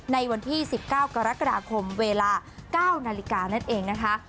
ในวันที่๑๙กรกฎาคมเวลา๙นาฬิกานั่นเองนะคะ